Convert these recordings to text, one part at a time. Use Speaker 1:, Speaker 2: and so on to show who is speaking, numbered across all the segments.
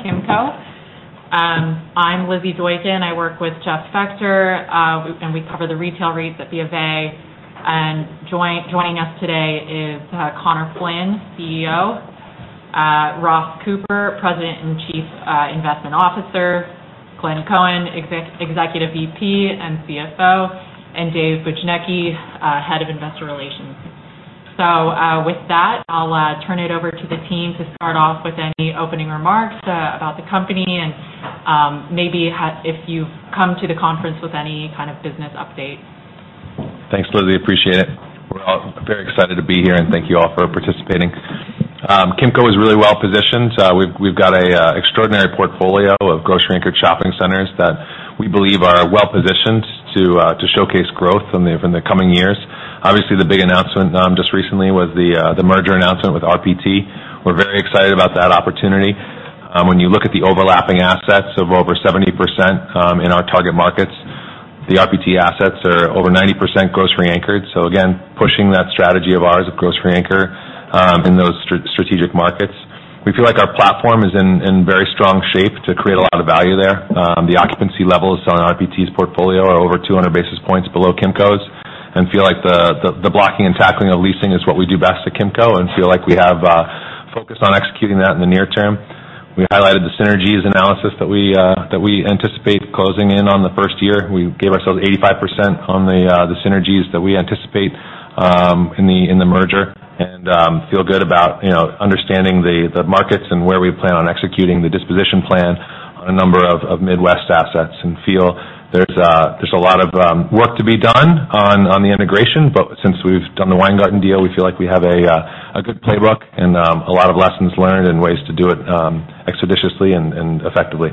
Speaker 1: Kimco. I'm Lizzie Doyon. I work with Jeff Spector, and we cover the retail REITs at BofA. Joining us today is Conor Flynn, CEO, Ross Cooper, President and Chief Investment Officer, Glenn Cohen, Executive VP and CFO, and Dave Bujnicki, Head of Investor Relations. With that, I'll turn it over to the team to start off with any opening remarks about the company, and maybe if you've come to the conference with any kind of business update.
Speaker 2: Thanks, Lizzie. Appreciate it. We're all very excited to be here, and thank you all for participating. Kimco is really well positioned. We've got an extraordinary portfolio of grocery-anchored shopping centers that we believe are well positioned to showcase growth in the coming years. Obviously, the big announcement just recently was the merger announcement with RPT. We're very excited about that opportunity. When you look at the overlapping assets of over 70% in our target markets, the RPT assets are over 90% grocery-anchored. Again, pushing that strategy of ours of grocery anchor in those strategic markets. We feel like our platform is in very strong shape to create a lot of value there. The occupancy levels on RPT's portfolio are over 200 basis points below Kimco's, and feel like the blocking and tackling of leasing is what we do best at Kimco, and feel like we have focused on executing that in the near term. We highlighted the synergies analysis that we that we anticipate closing in on the first year. We gave ourselves 85% on the the synergies that we anticipate in the merger. Feel good about, you know, understanding the markets and where we plan on executing the disposition plan on a number of Midwest assets. And feel there's a lot of work to be done on the integration, but since we've done the Weingarten deal, we feel like we have a good playbook and a lot of lessons learned and ways to do it expeditiously and effectively.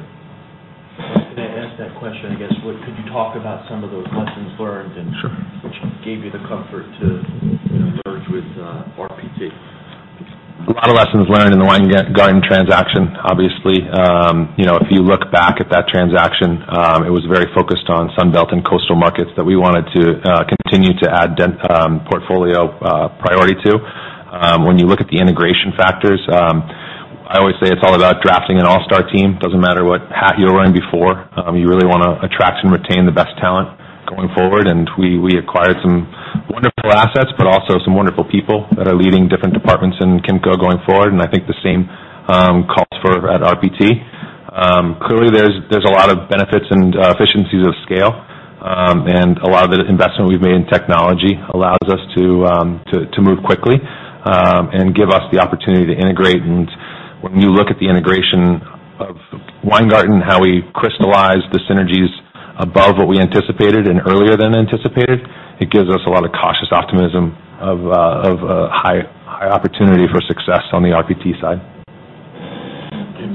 Speaker 3: Can I ask that question, I guess? Could you talk about some of those lessons learned, and-
Speaker 2: Sure.
Speaker 3: -which gave you the comfort to, to merge with, RPT?
Speaker 2: A lot of lessons learned in the Weingarten transaction, obviously. You know, if you look back at that transaction, it was very focused on Sun Belt and coastal markets that we wanted to continue to add portfolio priority to. When you look at the integration factors, I always say it's all about drafting an all-star team. Doesn't matter what hat you were in before, you really wanna attract and retain the best talent going forward. And we acquired some wonderful assets, but also some wonderful people that are leading different departments in Kimco going forward, and I think the same calls for RPT. Clearly, there's a lot of benefits and efficiencies of scale, and a lot of the investment we've made in technology allows us to move quickly and give us the opportunity to integrate. And when you look at the integration of Weingarten and how we crystallized the synergies above what we anticipated and earlier than anticipated, it gives us a lot of cautious optimism of high opportunity for success on the RPT side.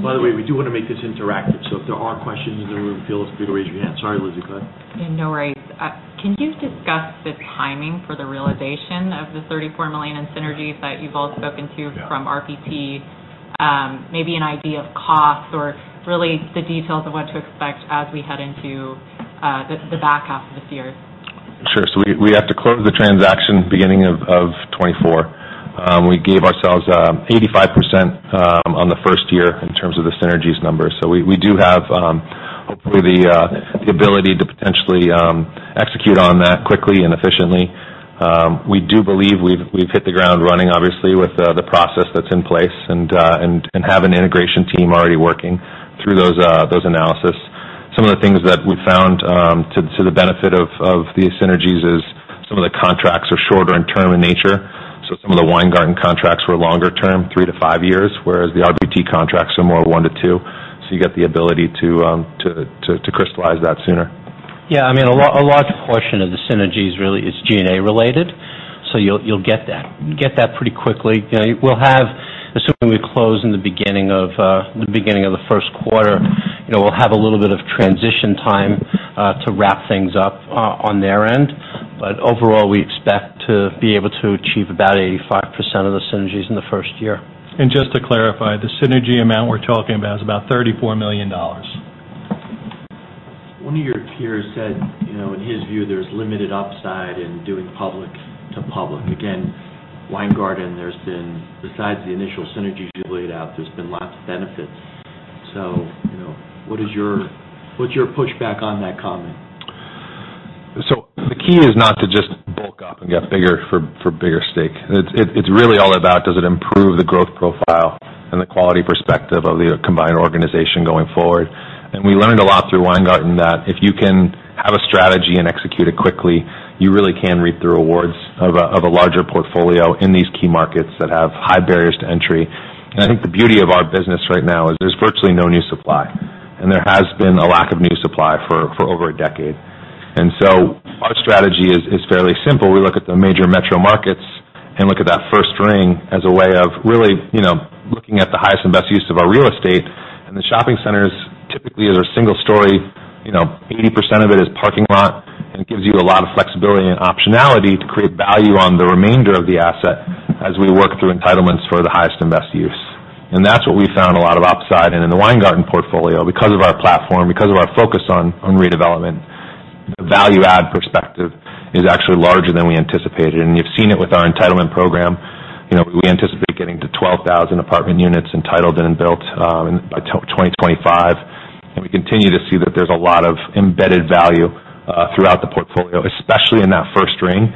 Speaker 4: By the way, we do wanna make this interactive, so if there are questions in the room, feel free to raise your hand. Sorry, Lizzie, go ahead.
Speaker 1: Yeah, no worries. Can you discuss the timing for the realization of the $34 million in synergies that you've all spoken to?
Speaker 2: Yeah
Speaker 1: -from RPT? Maybe an idea of costs or really the details of what to expect as we head into the back half of this year.
Speaker 2: Sure. So we have to close the transaction beginning of 2024. We gave ourselves 85% on the first year in terms of the synergies numbers. So we do have hopefully the ability to potentially execute on that quickly and efficiently. We do believe we've hit the ground running, obviously, with the process that's in place and have an integration team already working through those analysis. Some of the things that we've found to the benefit of these synergies is some of the contracts are shorter in term in nature. So some of the Weingarten contracts were longer term, three to five years, whereas the RPT contracts are more one to two. So you get the ability to crystallize that sooner.
Speaker 5: Yeah, I mean, a large portion of the synergies really is G&A related, so you'll, you'll get that, get that pretty quickly. You know, we'll have... Assuming we close in the beginning of the beginning of the first quarter, you know, we'll have a little bit of transition time to wrap things up on their end, but overall, we expect to be able to achieve about 85% of the synergies in the first year.
Speaker 4: Just to clarify, the synergy amount we're talking about is about $34 million.
Speaker 3: One of your peers said, you know, in his view, there's limited upside in doing public to public. Again, Weingarten, there's been, besides the initial synergies you've laid out, there's been lots of benefits. So, you know, what is your- what's your pushback on that comment?
Speaker 2: So the key is not to just bulk up and get bigger for bigger sake. It's really all about, does it improve the growth profile and the quality perspective of the combined organization going forward? And we learned a lot through Weingarten, that if you can have a strategy and execute it quickly, you really can reap the rewards of a larger portfolio in these key markets that have high barriers to entry. And I think the beauty of our business right now is there's virtually no new supply, and there has been a lack of new supply for over a decade. And so our strategy is fairly simple. We look at the major metro markets and look at that first-ring as a way of really, you know, looking at the highest and best use of our real estate. The shopping centers typically are single story, you know, 80% of it is parking lot, and it gives you a lot of flexibility and optionality to create value on the remainder of the asset as we work through entitlements for the highest and best use. That's what we found a lot of upside in, in the Weingarten portfolio, because of our platform, because of our focus on redevelopment. The value add perspective is actually larger than we anticipated, and you've seen it with our entitlement program. You know, we anticipate getting to 12,000 apartment units entitled and built by 2025. We continue to see that there's a lot of embedded value throughout the portfolio, especially in that first-ring,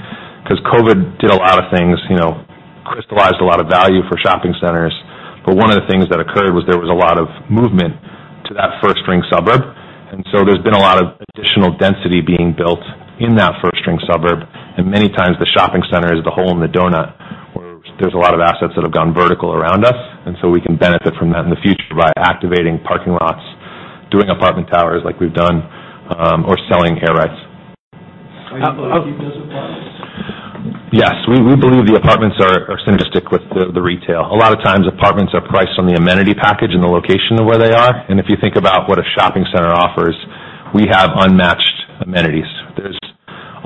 Speaker 2: 'cause COVID did a lot of things, you know, crystallized a lot of value for shopping centers. But one of the things that occurred was there was a lot of movement to that first-ring suburb. And so there's been a lot of additional density being built in that first-ring suburb, and many times the shopping center is the hole in the donut, where there's a lot of assets that have gone vertical around us, and so we can benefit from that in the future by activating parking lots, doing apartment towers like we've done, or selling air rights.
Speaker 3: Are you going to keep those apartments?
Speaker 2: Yes, we believe the apartments are synergistic with the retail. A lot of times, apartments are priced on the amenity package and the location of where they are. And if you think about what a shopping center offers, we have unmatched amenities. There's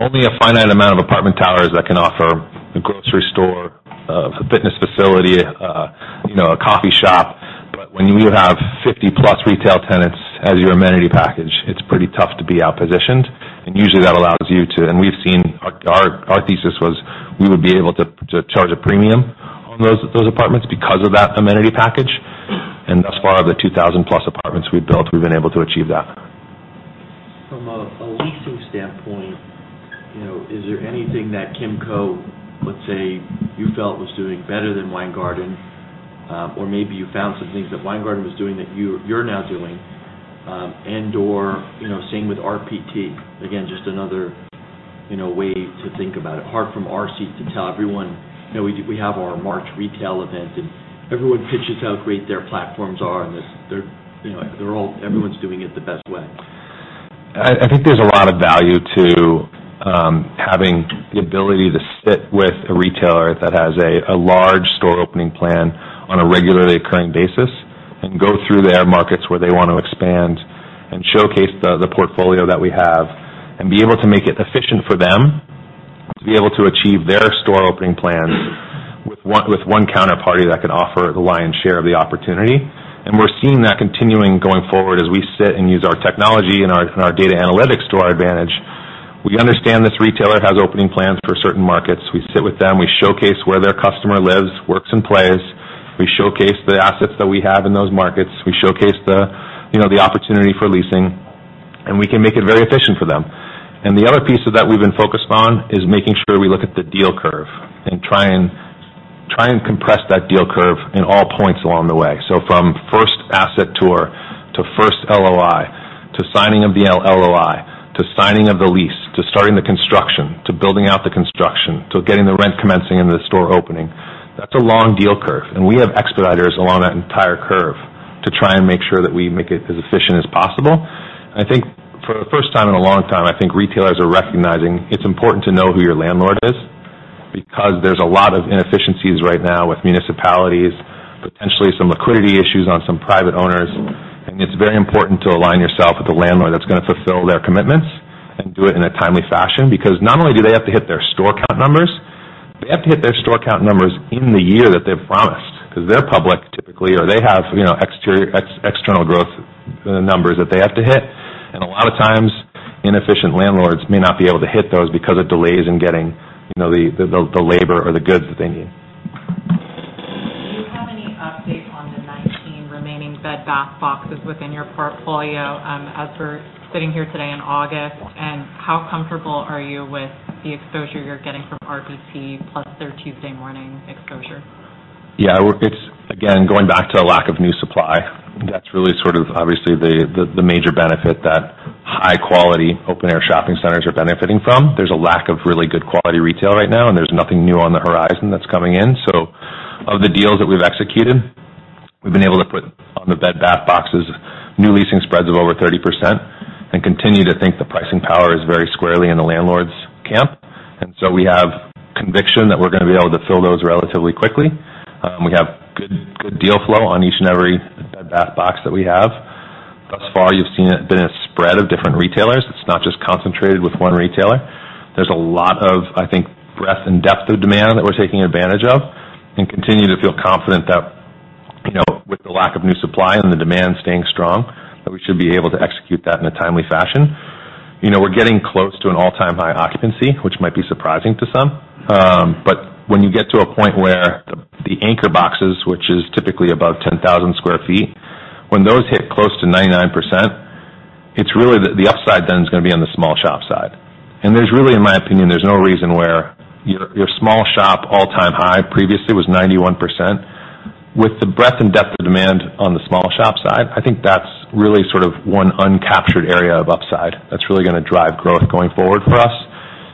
Speaker 2: only a finite amount of apartment towers that can offer a grocery store, a fitness facility, you know, a coffee shop. But when you have 50+ retail tenants as your amenity package, it's pretty tough to be outpositioned. And usually, that allows you to. And we've seen our thesis was we would be able to charge a premium on those apartments because of that amenity package. And thus far, of the 2,000+ apartments we've built, we've been able to achieve that.
Speaker 3: From a leasing standpoint, you know, is there anything that Kimco, let's say, you felt was doing better than Weingarten? Or maybe you found some things that Weingarten was doing that you, you're now doing, and/or, you know, same with RPT. Again, just another, you know, way to think about it. Hard from our seat to tell everyone, you know, we have our March retail event, and everyone pitches how great their platforms are, and they're, you know, they're all everyone's doing it the best way.
Speaker 2: I think there's a lot of value to having the ability to sit with a retailer that has a large store opening plan on a regularly occurring basis, and go through their markets where they want to expand and showcase the portfolio that we have, and be able to make it efficient for them to be able to achieve their store opening plans with one counterparty that can offer the lion's share of the opportunity. And we're seeing that continuing going forward as we sit and use our technology and our data analytics to our advantage. We understand this retailer has opening plans for certain markets. We sit with them, we showcase where their customer lives, works, and plays. We showcase the assets that we have in those markets. We showcase the, you know, the opportunity for leasing, and we can make it very efficient for them. And the other piece of that we've been focused on is making sure we look at the deal curve and try and compress that deal curve in all points along the way. So from first asset tour to first LOI, to signing of the LOI, to signing of the lease, to starting the construction, to building out the construction, to getting the rent commencing and the store opening, that's a long deal curve, and we have expediters along that entire curve to try and make sure that we make it as efficient as possible. I think for the first time in a long time, I think retailers are recognizing it's important to know who your landlord is, because there's a lot of inefficiencies right now with municipalities, potentially some liquidity issues on some private owners. And it's very important to align yourself with a landlord that's gonna fulfill their commitments and do it in a timely fashion. Because not only do they have to hit their store count numbers, they have to hit their store count numbers in the year that they've promised, 'cause they're public, typically, or they have, you know, external growth numbers that they have to hit. And a lot of times, inefficient landlords may not be able to hit those because of delays in getting, you know, the labor or the goods that they need.
Speaker 1: remaining Bed Bath & Beyond boxes within your portfolio, as we're sitting here today in August? And how comfortable are you with the exposure you're getting from RPT, plus their Tuesday Morning exposure?
Speaker 2: Yeah, well, it's again going back to a lack of new supply. That's really sort of obviously the major benefit that high-quality, open-air shopping centers are benefiting from. There's a lack of really good quality retail right now, and there's nothing new on the horizon that's coming in. So of the deals that we've executed, we've been able to put on the Bed Bath boxes new leasing spreads of over 30%, and continue to think the pricing power is very squarely in the landlord's camp. And so we have conviction that we're gonna be able to fill those relatively quickly. We have good, good deal flow on each and every Bed Bath box that we have. Thus far, you've seen it been a spread of different retailers. It's not just concentrated with one retailer. There's a lot of, I think, breadth and depth of demand that we're taking advantage of, and continue to feel confident that, you know, with the lack of new supply and the demand staying strong, that we should be able to execute that in a timely fashion. You know, we're getting close to an all-time high occupancy, which might be surprising to some. But when you get to a point where the anchor boxes, which is typically above 10,000 sq ft, when those hit close to 99%, it's really the upside then, is gonna be on the small shop side. And there's really, in my opinion, there's no reason where your, your small shop all-time high previously was 91%. With the breadth and depth of demand on the small shop side, I think that's really sort of one uncaptured area of upside that's really gonna drive growth going forward for us.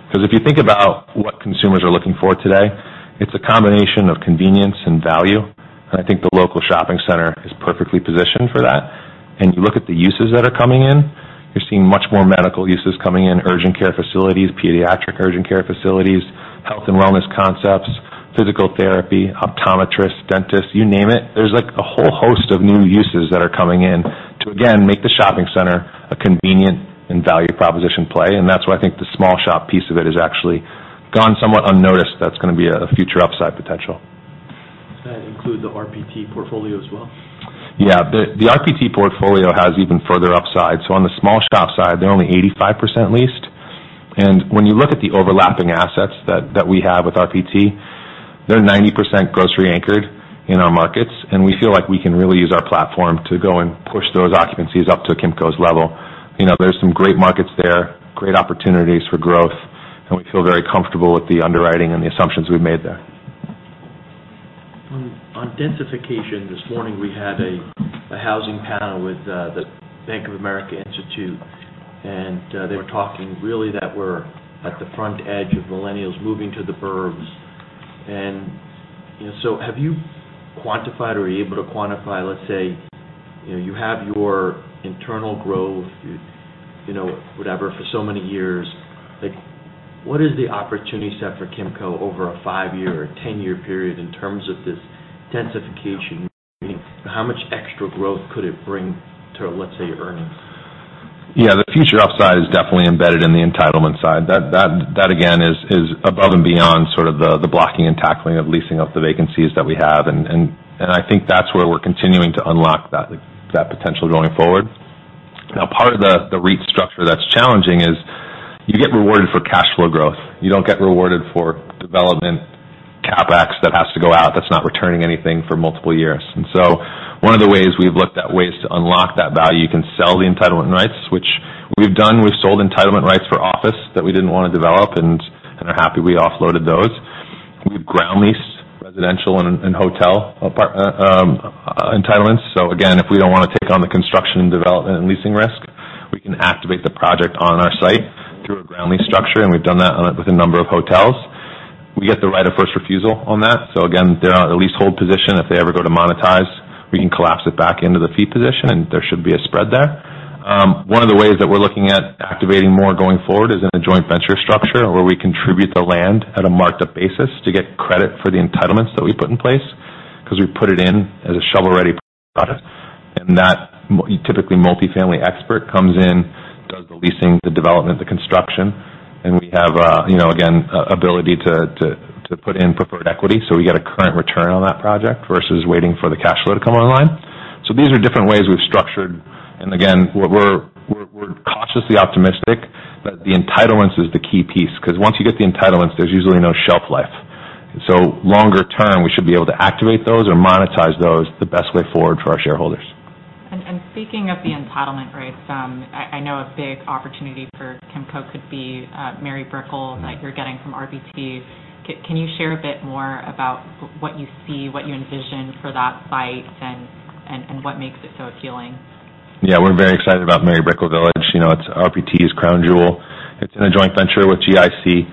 Speaker 2: 'Cause if you think about what consumers are looking for today, it's a combination of convenience and value, and I think the local shopping center is perfectly positioned for that. And you look at the uses that are coming in, you're seeing much more medical uses coming in, urgent care facilities, pediatric urgent care facilities, health and wellness concepts, physical therapy, optometrists, dentists, you name it. There's, like, a whole host of new uses that are coming in to, again, make the shopping center a convenient and value proposition play, and that's why I think the small shop piece of it has actually gone somewhat unnoticed. That's gonna be a future upside potential....
Speaker 3: Does that include the RPT portfolio as well?
Speaker 2: Yeah, the RPT portfolio has even further upside. So on the small shop side, they're only 85% leased. And when you look at the overlapping assets that we have with RPT, they're 90% grocery anchored in our markets, and we feel like we can really use our platform to go and push those occupancies up to Kimco's level. You know, there's some great markets there, great opportunities for growth, and we feel very comfortable with the underwriting and the assumptions we've made there.
Speaker 3: On densification, this morning, we had a housing panel with the Bank of America Institute, and they were talking really that we're at the front edge of millennials moving to the burbs. And, you know, so have you quantified or are you able to quantify, let's say, you know, you have your internal growth, you know, whatever, for so many years, like, what is the opportunity set for Kimco over a five-year or ten-year period in terms of this densification? How much extra growth could it bring to, let's say, earnings?
Speaker 2: Yeah, the future upside is definitely embedded in the entitlement side. That, again, is above and beyond sort of the blocking and tackling of leasing up the vacancies that we have. And I think that's where we're continuing to unlock that potential going forward. Now, part of the REIT structure that's challenging is you get rewarded for cash flow growth. You don't get rewarded for development CapEx that has to go out, that's not returning anything for multiple years. And so one of the ways we've looked at ways to unlock that value, you can sell the entitlement rights, which we've done. We've sold entitlement rights for office that we didn't want to develop and are happy we offloaded those. We've ground leased residential and hotel apartments entitlements. So again, if we don't want to take on the construction, development, and leasing risk, we can activate the project on our site through a ground lease structure, and we've done that with a number of hotels. We get the right of first refusal on that, so again, they're at a leasehold position. If they ever go to monetize, we can collapse it back into the fee position, and there should be a spread there. One of the ways that we're looking at activating more going forward is in a joint venture structure, where we contribute the land at a marked-up basis to get credit for the entitlements that we put in place, 'cause we put it in as a shovel-ready product. Typically, multifamily expert comes in, does the leasing, the development, the construction, and we have a, you know, again, ability to put in preferred equity. So we get a current return on that project versus waiting for the cash flow to come online. So these are different ways we've structured, and again, we're cautiously optimistic, but the entitlements is the key piece, 'cause once you get the entitlements, there's usually no shelf life. So longer term, we should be able to activate those or monetize those, the best way forward for our shareholders.
Speaker 1: Speaking of the entitlement rates, I know a big opportunity for Kimco could be Mary Brickell, like you're getting from RPT. Can you share a bit more about what you see, what you envision for that site and what makes it so appealing?
Speaker 2: Yeah, we're very excited about Mary Brickell Village. You know, it's RPT's crown jewel. It's in a joint venture with GIC.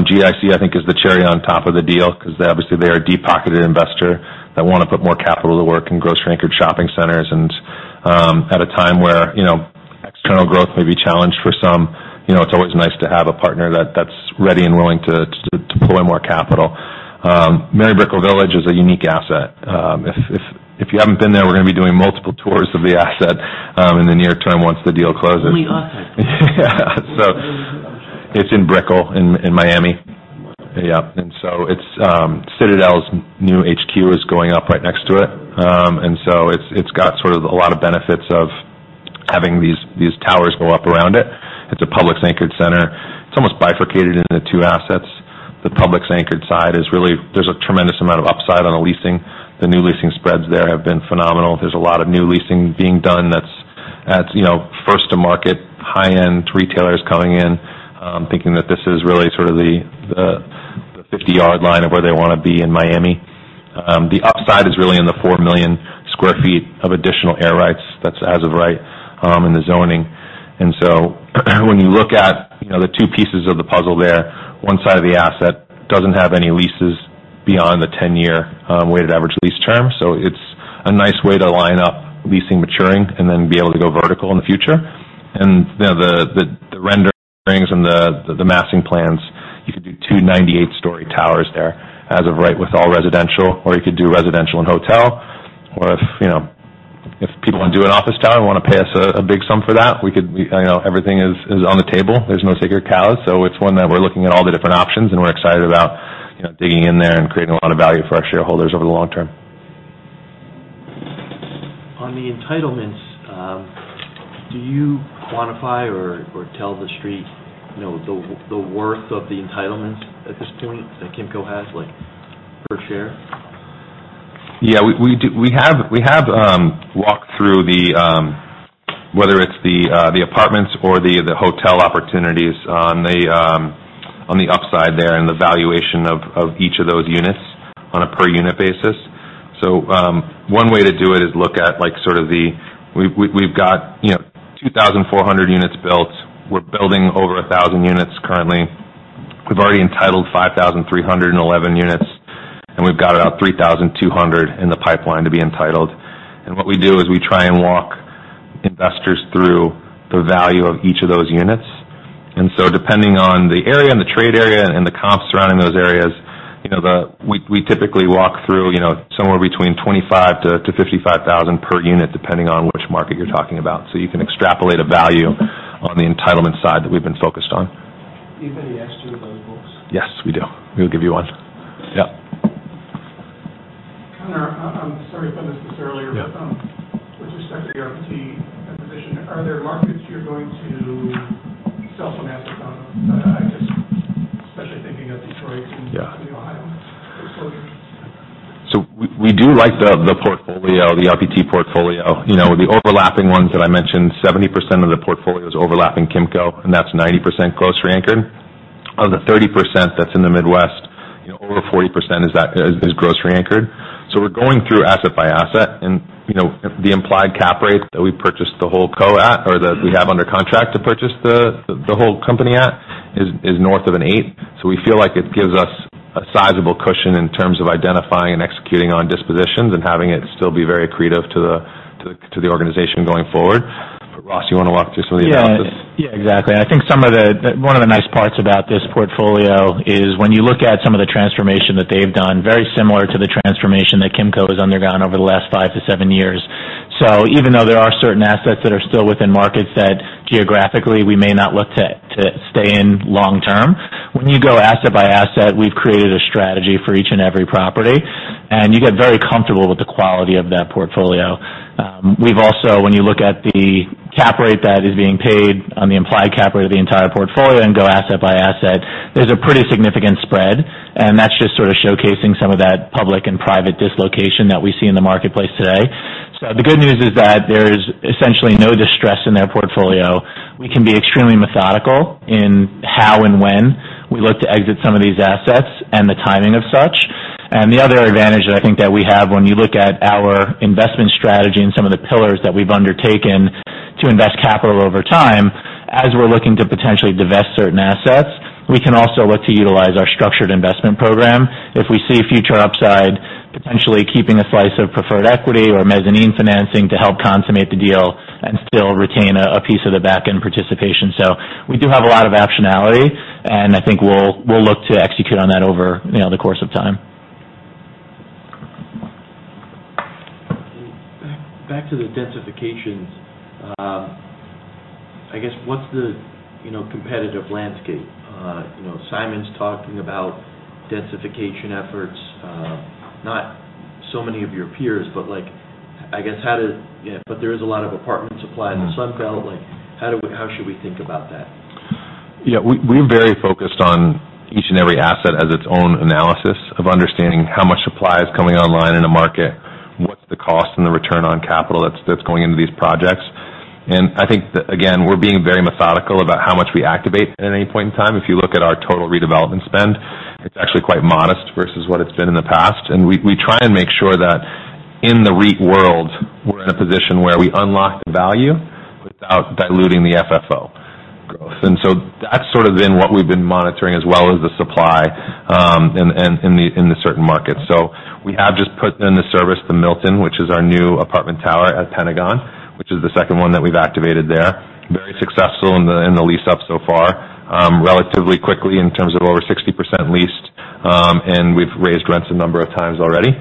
Speaker 2: GIC, I think, is the cherry on top of the deal, 'cause obviously, they're a deep-pocketed investor that wanna put more capital to work in grocery-anchored shopping centers. And, at a time where, you know, external growth may be challenged for some, you know, it's always nice to have a partner that's ready and willing to deploy more capital. Mary Brickell Village is a unique asset. If you haven't been there, we're gonna be doing multiple tours of the asset, in the near term, once the deal closes.
Speaker 1: Where are we off to?
Speaker 2: Yeah. So it's in Brickell, in Miami. Yeah. And so it's, Citadel's new HQ is going up right next to it. And so it's got sort of a lot of benefits of having these towers go up around it. It's a Publix-anchored center. It's almost bifurcated into two assets. The Publix-anchored side is really... There's a tremendous amount of upside on the leasing. The new leasing spreads there have been phenomenal. There's a lot of new leasing being done that's at, you know, first to market, high-end retailers coming in, thinking that this is really sort of the 50-yard line of where they wanna be in Miami. The upside is really in the 4 million sq ft of additional air rights. That's as of right, in the zoning. So, when you look at, you know, the two pieces of the puzzle there, one side of the asset doesn't have any leases beyond the 10-year weighted average lease term. It's a nice way to line up leasing, maturing, and then be able to go vertical in the future. You know, the renderings and the massing plans, you could do two 98-story towers there as of right, with all residential, or you could do residential and hotel. Or if, you know, if people wanna do an office tower and wanna pay us a big sum for that, we could, you know, everything is on the table. There's no sacred cows. It's one that we're looking at all the different options, and we're excited about, you know, digging in there and creating a lot of value for our shareholders over the long term.
Speaker 3: On the entitlements, do you quantify or tell the street, you know, the worth of the entitlements at this point that Kimco has, like, per share?
Speaker 2: Yeah, we do. We have walked through the whether it's the apartments or the hotel opportunities on the upside there, and the valuation of each of those units on a per unit basis. So, one way to do it is look at, like, sort of the—we've got, you know, 2,400 units built. We're building over 1,000 units currently. We've already entitled 5,311 units, and we've got about 3,200 in the pipeline to be entitled. And what we do is we try and walk investors through the value of each of those units. So depending on the area and the trade area and the comps surrounding those areas, you know, we typically walk through, you know, somewhere between 25,000-55,000 per unit, depending on which market you're talking about. So you can extrapolate a value on the entitlement side that we've been focused on....
Speaker 3: Anybody ask you about the books?
Speaker 2: Yes, we do. We'll give you one. Yep.
Speaker 6: Conor, I'm sorry if I missed this earlier.
Speaker 2: Yeah.
Speaker 6: With respect to the RPT acquisition, are there markets you're going to sell some assets on? I just especially thinking of Detroit-
Speaker 2: Yeah So we do like the portfolio, the RPT portfolio. You know, the overlapping ones that I mentioned, 70% of the portfolio is overlapping Kimco, and that's 90% grocery anchored. Of the 30% that's in the Midwest, you know, over 40% is that, is, is grocery anchored. So we're going through asset by asset, and, you know, the implied cap rate that we purchased the whole company at, or that we have under contract to purchase the, the, the whole company at, is, is north of an 8. So we feel like it gives us a sizable cushion in terms of identifying and executing on dispositions and having it still be very accretive to the, to the, to the organization going forward. But Ross, you wanna walk through some of the assets?
Speaker 7: Yeah. Yeah, exactly. I think some of the—that one of the nice parts about this portfolio is when you look at some of the transformation that they've done, very similar to the transformation that Kimco has undergone over the last five to seven years. So even though there are certain assets that are still within markets that geographically we may not look to, to stay in long term, when you go asset by asset, we've created a strategy for each and every property, and you get very comfortable with the quality of that portfolio. We've also, when you look at the cap rate that is being paid on the implied cap rate of the entire portfolio and go asset by asset, there's a pretty significant spread, and that's just sort of showcasing some of that public and private dislocation that we see in the marketplace today. So the good news is that there's essentially no distress in their portfolio. We can be extremely methodical in how and when we look to exit some of these assets and the timing of such. The other advantage that I think that we have when you look at our investment strategy and some of the pillars that we've undertaken to invest capital over time, as we're looking to potentially divest certain assets, we can also look to utilize our structured investment program. If we see future upside, potentially keeping a slice of preferred equity or mezzanine financing to help consummate the deal and still retain a piece of the backend participation. We do have a lot of optionality, and I think we'll look to execute on that over, you know, the course of time.
Speaker 3: Back to the densifications. I guess, what's the, you know, competitive landscape? You know, Simon's talking about densification efforts, not so many of your peers, but like, I guess, how does... Yeah, but there is a lot of apartment supply in the Sun Belt. Like, how do we - how should we think about that?
Speaker 2: Yeah, we're very focused on each and every asset as its own analysis of understanding how much supply is coming online in a market, what's the cost and the return on capital that's going into these projects. And I think that, again, we're being very methodical about how much we activate at any point in time. If you look at our total redevelopment spend, it's actually quite modest versus what it's been in the past. And we try and make sure that in the REIT world, we're in a position where we unlock the value without diluting the FFO growth. And so that's sort of been what we've been monitoring, as well as the supply in the certain markets. So we have just put into service the Milton, which is our new apartment tower at Pentagon, which is the second one that we've activated there. Very successful in the lease-up so far. Relatively quickly, in terms of over 60% leased, and we've raised rents a number of times already.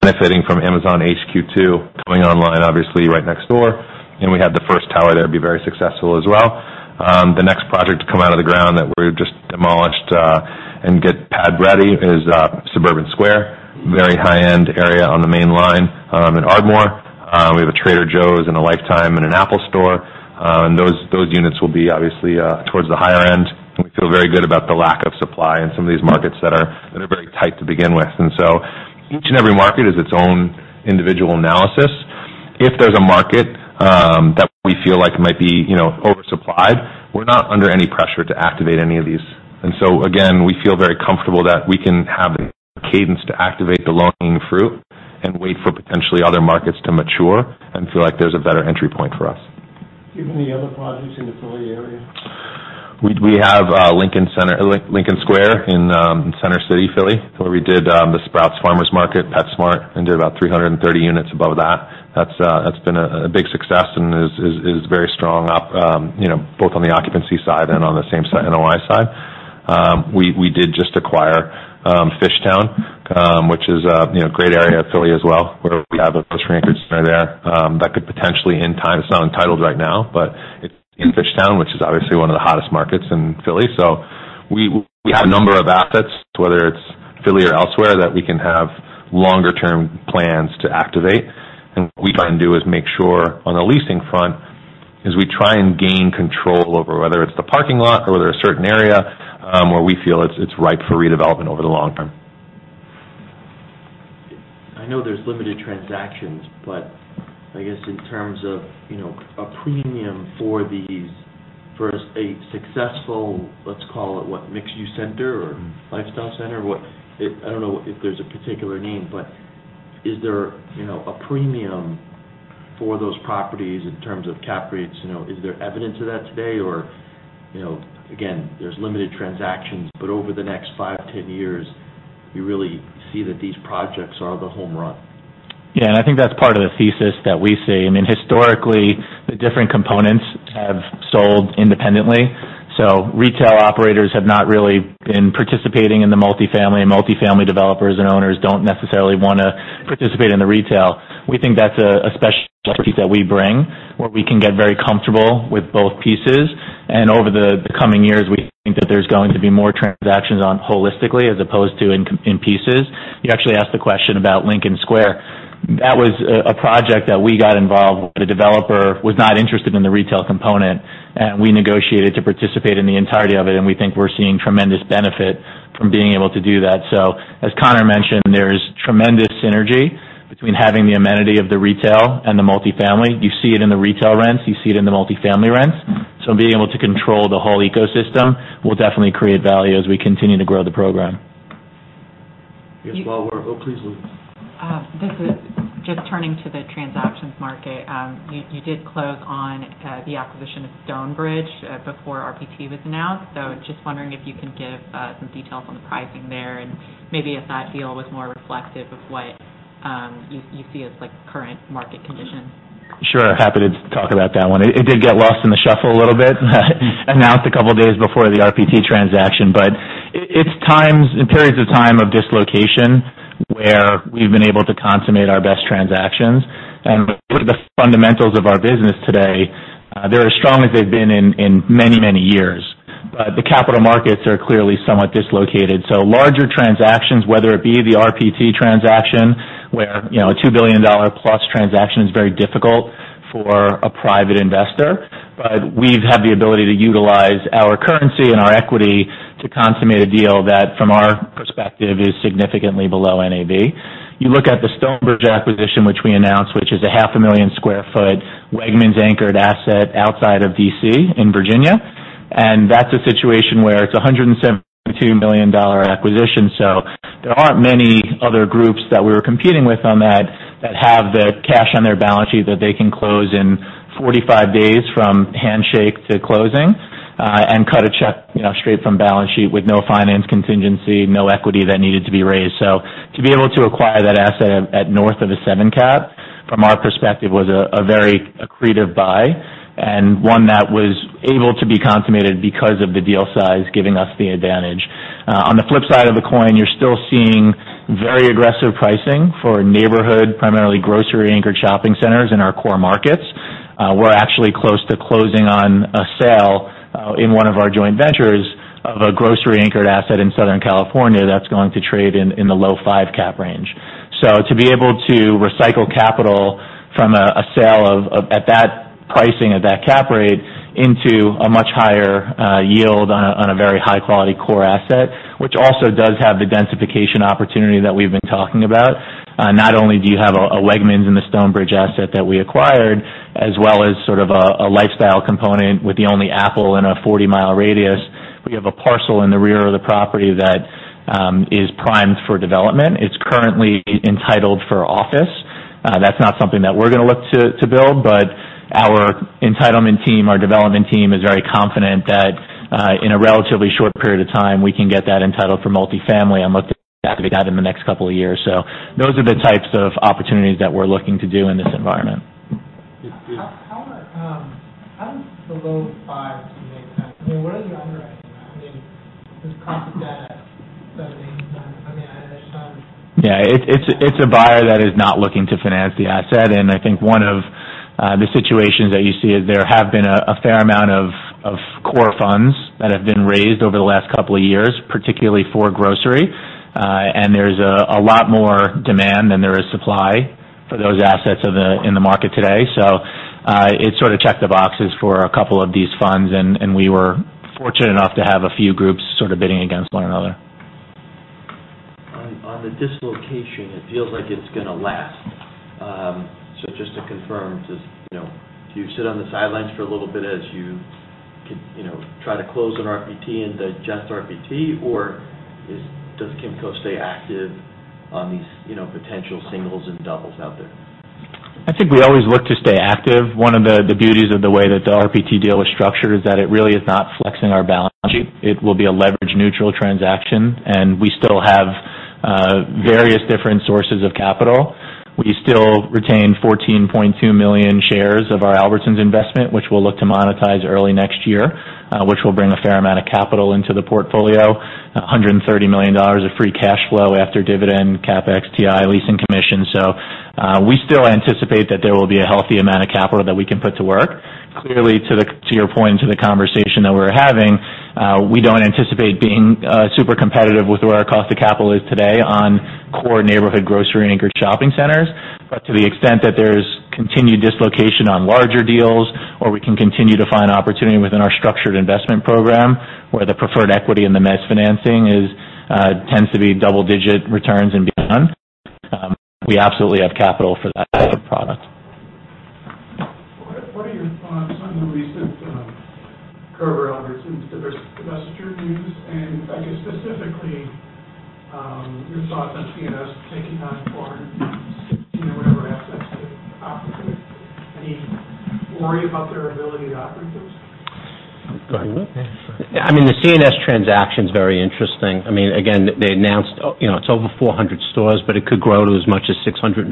Speaker 2: Benefiting from Amazon HQ2 coming online, obviously, right next door, and we had the first tower there be very successful as well. The next project to come out of the ground that we're just demolished and get pad ready is Suburban Square, very high-end area on the Main Line, in Ardmore. We have a Trader Joe's and a Lifetime and an Apple store, and those units will be obviously towards the higher end. We feel very good about the lack of supply in some of these markets that are very tight to begin with. And so each and every market is its own individual analysis. If there's a market that we feel like might be, you know, oversupplied, we're not under any pressure to activate any of these. And so again, we feel very comfortable that we can have a cadence to activate the low-hanging fruit and wait for potentially other markets to mature and feel like there's a better entry point for us.
Speaker 3: Do you have any other projects in the Philly area?
Speaker 2: We have Lincoln Square in Center City, Philly, where we did the Sprouts Farmers Market, PetSmart, and did about 330 units above that. That's been a big success and is very strong, you know, both on the occupancy side and on the same-store NOI side. We did just acquire Fishtown, which is a great area of Philly as well, where we have a grocery-anchored store there, that could potentially, in time, it's not entitled right now, but it's in Fishtown, which is obviously one of the hottest markets in Philly. So we have a number of assets, whether it's Philly or elsewhere, that we can have longer term plans to activate. What we try and do is make sure on the leasing front, we try and gain control over whether it's the parking lot or whether a certain area where we feel it's ripe for redevelopment over the long term.
Speaker 3: I know there's limited transactions, but I guess in terms of, you know, a premium for these - for a successful, let's call it, what, mixed-use center or lifestyle center, what... I don't know if there's a particular name, but is there, you know, a premium for those properties in terms of cap rates? You know, is there evidence of that today, or, you know, again, there's limited transactions, but over the next 5-10 years, you really see that these projects are the home run? ...
Speaker 7: Yeah, and I think that's part of the thesis that we see. I mean, historically, the different components have sold independently. So retail operators have not really been participating in the multifamily, and multifamily developers and owners don't necessarily wanna participate in the retail. We think that's a special expertise that we bring, where we can get very comfortable with both pieces. And over the coming years, we think that there's going to be more transactions on holistically, as opposed to in pieces. You actually asked the question about Lincoln Square. That was a project that we got involved. The developer was not interested in the retail component, and we negotiated to participate in the entirety of it, and we think we're seeing tremendous benefit from being able to do that. So as Conor mentioned, there's tremendous synergy between having the amenity of the retail and the multifamily. You see it in the retail rents, you see it in the multifamily rents. So being able to control the whole ecosystem will definitely create value as we continue to grow the program.
Speaker 3: Yes, while we're. Oh, please, Lizzie.
Speaker 1: This is just turning to the transactions market. You did close on the acquisition of Stonebridge before RPT was announced. So just wondering if you can give some details on the pricing there, and maybe if that deal was more reflective of what you see as, like, current market conditions.
Speaker 7: Sure. Happy to talk about that one. It did get lost in the shuffle a little bit, announced a couple of days before the RPT transaction. But it's times, in periods of time of dislocation, where we've been able to consummate our best transactions. And looking at the fundamentals of our business today, they're as strong as they've been in many years. But the capital markets are clearly somewhat dislocated. So larger transactions, whether it be the RPT transaction, where, you know, a $2 billion+ transaction is very difficult for a private investor, but we've had the ability to utilize our currency and our equity to consummate a deal that, from our perspective, is significantly below NAV. You look at the Stonebridge acquisition, which we announced, which is a 500,000 sq ft, Wegmans-anchored asset outside of D.C. in Virginia, and that's a situation where it's a $172 million acquisition. So there aren't many other groups that we were competing with on that, that have the cash on their balance sheet, that they can close in 45 days from handshake to closing, and cut a check, you know, straight from balance sheet with no finance contingency, no equity that needed to be raised. So to be able to acquire that asset at, at north of a seven cap, from our perspective, was a, a very accretive buy, and one that was able to be consummated because of the deal size, giving us the advantage. On the flip side of the coin, you're still seeing very aggressive pricing for neighborhood, primarily grocery-anchored shopping centers in our core markets. We're actually close to closing on a sale, in one of our joint ventures, of a grocery-anchored asset in Southern California that's going to trade in the low-five cap range. So to be able to recycle capital from a sale at that pricing, at that cap rate, into a much higher yield on a very high-quality core asset, which also does have the densification opportunity that we've been talking about. Not only do you have a Wegmans in the Stonebridge asset that we acquired, as well as sort of a lifestyle component with the only Apple in a 40-mi radius, we have a parcel in the rear of the property that is primed for development. It's currently entitled for office. That's not something that we're gonna look to build, but our entitlement team, our development team, is very confident that in a relatively short period of time, we can get that entitled for multifamily, and look to activate that in the next couple of years. So those are the types of opportunities that we're looking to do in this environment.
Speaker 3: Yes, please.
Speaker 8: How does the low five cap make sense? I mean, what are the underwriting? I mean, the cost of debt, seven, eight, nine. I mean, I just-
Speaker 7: Yeah, it's a buyer that is not looking to finance the asset. And I think one of the situations that you see is there have been a fair amount of core funds that have been raised over the last couple of years, particularly for grocery. And there's a lot more demand than there is supply for those assets in the market today. So, it sort of checked the boxes for a couple of these funds, and we were fortunate enough to have a few groups sort of bidding against one another.
Speaker 3: On the dislocation, it feels like it's gonna last. So just to confirm, you know, do you sit on the sidelines for a little bit as you you know try to close an RPT and digest RPT, or does Kimco stay active on these, you know, potential singles and doubles out there?
Speaker 7: I think we always look to stay active. One of the beauties of the way that the RPT deal was structured is that it really is not flexing our balance sheet. It will be a leverage-neutral transaction, and we still have various different sources of capital. We still retain 14.2 million shares of our Albertsons investment, which we'll look to monetize early next year, which will bring a fair amount of capital into the portfolio. $130 million of free cash flow after dividend, CapEx, TI, leasing commission. So, we still anticipate that there will be a healthy amount of capital that we can put to work. Clearly, to your point and to the conversation that we're having, we don't anticipate being super competitive with where our cost of capital is today on core neighborhood grocery-anchored shopping centers. But to the extent that there's continued dislocation on larger deals, or we can continue to find opportunity within our Structured Investment Program, where the preferred equity in the mezz financing tends to be double-digit returns and beyond, we absolutely have capital for that type of product.
Speaker 9: What are your thoughts on the recent Kroger, Albertsons, divestiture news, and I guess, specifically, your thoughts on C&S taking on foreign...
Speaker 3: Any worry about their ability to operate those?
Speaker 5: Go ahead. I mean, the C&S transaction is very interesting. I mean, again, they announced, you know, it's over 400 stores, but it could grow to as much as 650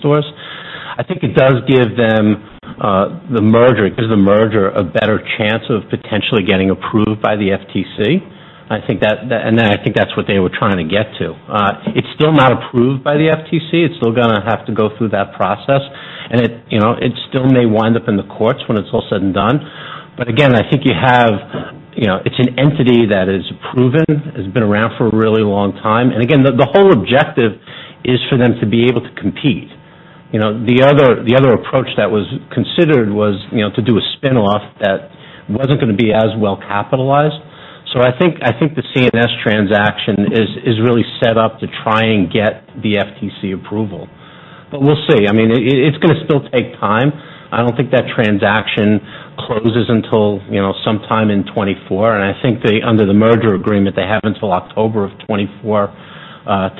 Speaker 5: stores. I think it does give them the merger, it gives the merger a better chance of potentially getting approved by the FTC. I think that. And then I think that's what they were trying to get to. It's still not approved by the FTC. It's still gonna have to go through that process, and it, you know, it still may wind up in the courts when it's all said and done. But again, I think you have, you know, it's an entity that is proven, has been around for a really long time. And again, the whole objective is for them to be able to compete. You know, the other approach that was considered was, you know, to do a spin-off that wasn't gonna be as well capitalized. So I think the C&S transaction is really set up to try and get the FTC approval. But we'll see. I mean, it's gonna still take time. I don't think that transaction closes until, you know, sometime in 2024, and I think they, under the merger agreement, they have until October of 2024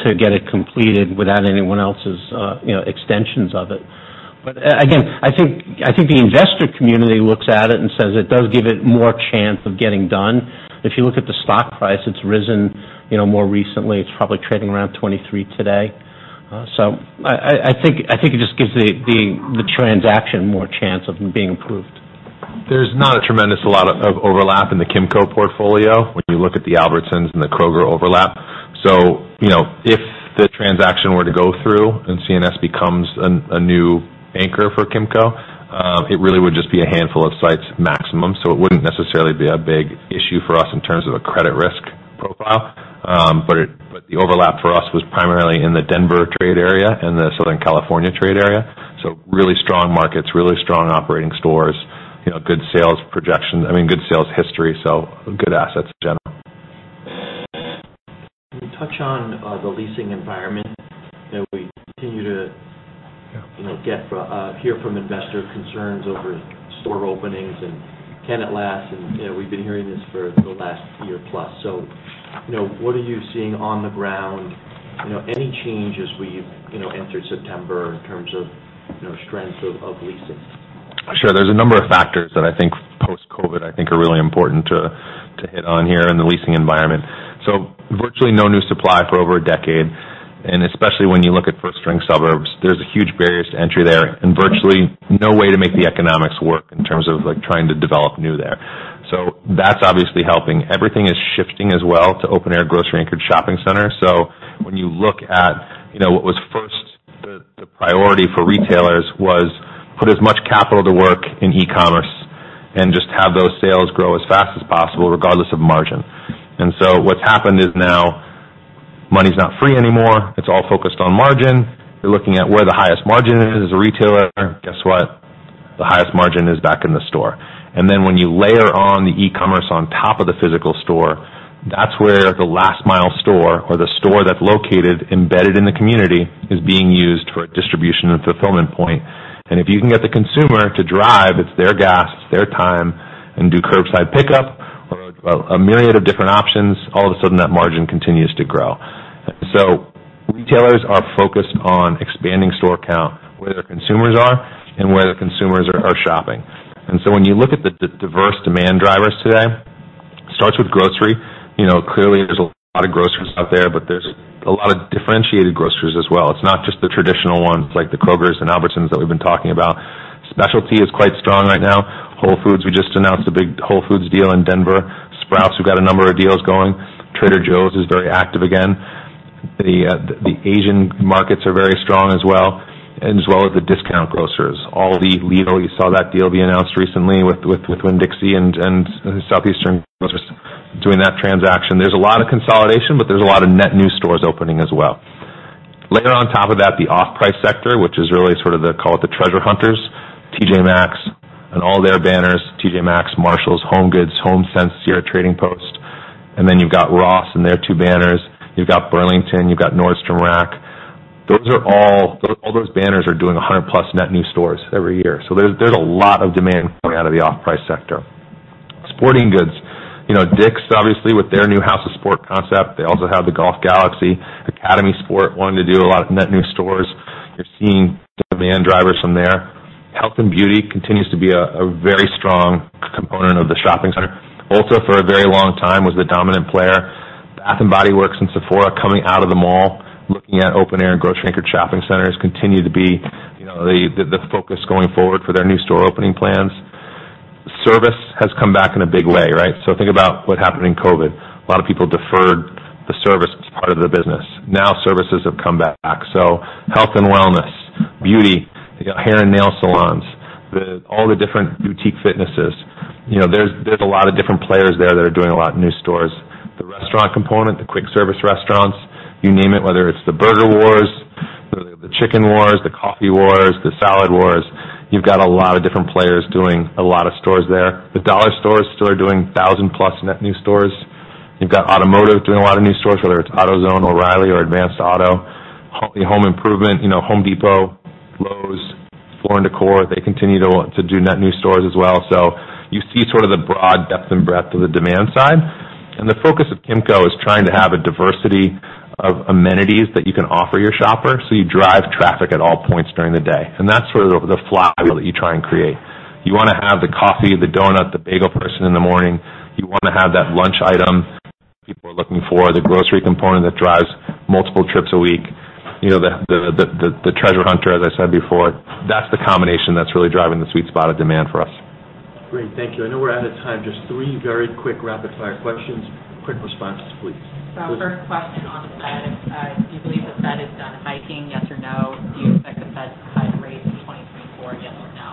Speaker 5: to get it completed without anyone else's, you know, extensions of it. But again, I think the investor community looks at it and says it does give it more chance of getting done. If you look at the stock price, it's risen, you know, more recently. It's probably trading around $23 today. So, I think it just gives the transaction more chance of being approved.
Speaker 2: There's not a tremendous lot of overlap in the Kimco portfolio when you look at the Albertsons and the Kroger overlap. So, you know, if the transaction were to go through and C&S becomes a new anchor for Kimco, it really would just be a handful of sites maximum. So it wouldn't necessarily be a big issue for us in terms of a credit risk profile. But the overlap for us was primarily in the Denver trade area and the Southern California trade area. So really strong markets, really strong operating stores, you know, good sales projections... I mean, good sales history, so good assets generally.
Speaker 3: Can you touch on the leasing environment that we continue to, you know, hear from investor concerns over store openings and tenant lasts, and, you know, we've been hearing this for the last year plus. So, you know, what are you seeing on the ground? You know, any changes we've, you know, entered September in terms of, you know, strength of leasing?
Speaker 2: Sure. There's a number of factors that I think post-COVID, I think, are really important to hit on here in the leasing environment. So virtually no new supply for over a decade, and especially when you look at first-ring suburbs, there's a huge barriers to entry there, and virtually no way to make the economics work in terms of, like, trying to develop new there. So that's obviously helping. Everything is shifting as well to open-air, grocery-anchored shopping centers. So when you look at, you know, what was first, the priority for retailers was put as much capital to work in e-commerce and just have those sales grow as fast as possible, regardless of margin. And so what's happened is now money's not free anymore. It's all focused on margin. You're looking at where the highest margin is as a retailer. Guess what? The highest margin is back in the store. Then when you layer on the e-commerce on top of the physical store, that's where the last mile store or the store that's located embedded in the community is being used for a distribution and fulfillment point. And if you can get the consumer to drive, it's their gas, their time, and do curbside pickup or a myriad of different options, all of a sudden, that margin continues to grow. So retailers are focused on expanding store count, where their consumers are and where the consumers are, are shopping. And so when you look at the diverse demand drivers today, starts with grocery. You know, clearly there's a lot of grocers out there, but there's a lot of differentiated grocers as well. It's not just the traditional ones, like the Krogers and Albertsons that we've been talking about. Specialty is quite strong right now. Whole Foods, we just announced a big Whole Foods deal in Denver. Sprouts, we've got a number of deals going. Trader Joe's is very active again. The, the Asian markets are very strong as well, and as well as the discount grocers. Aldi, Lidl, you saw that deal be announced recently with Winn-Dixie and Southeastern Grocers doing that transaction. There's a lot of consolidation, but there's a lot of net new stores opening as well. Later on top of that, the off-price sector, which is really sort of the, call it the treasure hunters, TJ Maxx and all their banners, TJ Maxx, Marshalls, HomeGoods, HomeSense, Sierra Trading Post, and then you've got Ross and their two banners. You've got Burlington, you've got Nordstrom Rack. Those are all. All those banners are doing 100+ net new stores every year. So there's a lot of demand coming out of the off-price sector. Sporting goods, you know, DICK'S, obviously, with their new House of Sport concept, they also have the Golf Galaxy. Academy Sports, wanting to do a lot of net new stores. You're seeing demand drivers from there. Health and beauty continues to be a very strong component of the shopping center. Ulta, for a very long time, was the dominant player. Bath & Body Works and Sephora coming out of the mall, looking at open-air and grocery-anchored shopping centers, continue to be, you know, the focus going forward for their new store opening plans. Service has come back in a big way, right? So think about what happened in COVID. A lot of people deferred the services part of the business. Now, services have come back. So health and wellness, beauty, you got hair and nail salons, the all the different boutique fitnesses. You know, there's, there's a lot of different players there that are doing a lot of new stores. The restaurant component, the quick service restaurants, you name it, whether it's the burger wars, the chicken wars, the coffee wars, the salad wars, you've got a lot of different players doing a lot of stores there. The dollar stores still are doing 1,000+ net new stores. You've got automotive doing a lot of new stores, whether it's AutoZone, O'Reilly, or Advance Auto. Home improvement, you know, Home Depot, Lowe's, Floor & Decor, they continue to, to do net new stores as well. So you see sort of the broad depth and breadth of the demand side.... The focus of Kimco is trying to have a diversity of amenities that you can offer your shopper, so you drive traffic at all points during the day. And that's where the flywheel that you try and create. You want to have the coffee, the donut, the bagel person in the morning. You want to have that lunch item people are looking for, the grocery component that drives multiple trips a week. You know, the treasure hunter, as I said before, that's the combination that's really driving the sweet spot of demand for us.
Speaker 4: Great, thank you. I know we're out of time. Just three very quick rapid-fire questions. Quick responses, please.
Speaker 10: So first question on the Fed. Do you believe the Fed is done hiking, yes or no? Do you expect the Fed to cut rates in 2024, yes or no?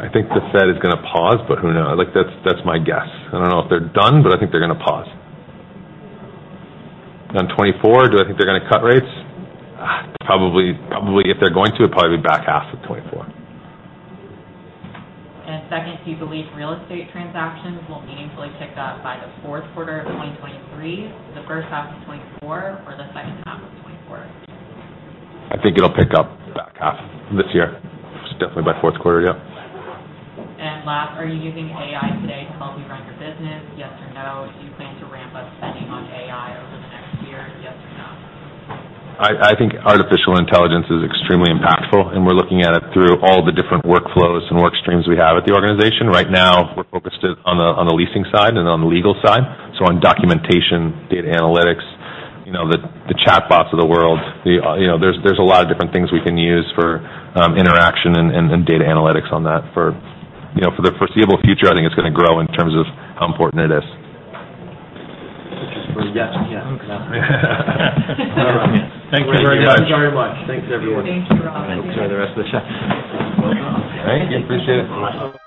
Speaker 2: I think the Fed is going to pause, but who knows? Like, that's, that's my guess. I don't know if they're done, but I think they're going to pause. On 2024, do I think they're going to cut rates? Probably, probably if they're going to, it'd probably be back half of 2024.
Speaker 10: Second, do you believe real estate transactions will meaningfully pick up by the fourth quarter of 2023, the first half of 2024, or the second half of 2024?
Speaker 2: I think it'll pick up about half this year. It's definitely by fourth quarter, yep.
Speaker 10: Last, are you using AI today to help you run your business, yes or no? Do you plan to ramp up spending on AI over the next year, yes or no?
Speaker 2: I think artificial intelligence is extremely impactful, and we're looking at it through all the different workflows and work streams we have at the organization. Right now, we're focused it on the leasing side and on the legal side, so on documentation, data analytics, you know, the chatbots of the world. You know, there's a lot of different things we can use for interaction and data analytics on that for... You know, for the foreseeable future, I think it's going to grow in terms of how important it is.
Speaker 4: Yeah. Yeah. Thank you very much.
Speaker 7: Thank you very much.
Speaker 4: Thanks, everyone.
Speaker 10: Thank you, Ross.
Speaker 4: Enjoy the rest of the chat.
Speaker 2: All right. Appreciate it.